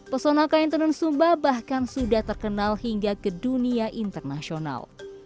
pesona kain tenun sumba bahkan sudah terkenal hingga ke dunia internasional